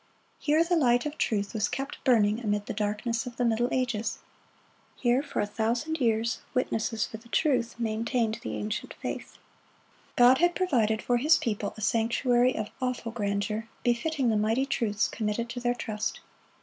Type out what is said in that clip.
Here the light of truth was kept burning amid the darkness of the Middle Ages. Here, for a thousand years, witnesses for the truth maintained the ancient faith. God had provided for His people a sanctuary of awful grandeur, befitting the mighty truths committed to their trust.